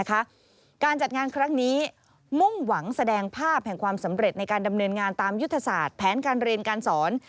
การจัดงานครั้งนี้มุ่งหวังแสดงภาพแห่งความสำเร็จในการดำเนินงานตามยุทธศาสตร์แผนการเรียนการสอน